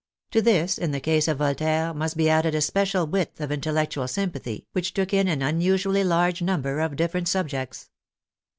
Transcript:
To this, in the case of Voltaire, must be added a special width of intellectual sympathy which took in an unusually large number of different subjects.